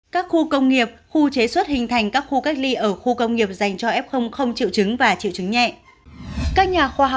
các khu công nghiệp khu chế suất hình thành các khu cách ly ở khu công nghiệp dành cho f không chịu chứng và chịu chứng nhẹ